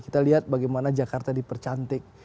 kita lihat bagaimana jakarta dipercantik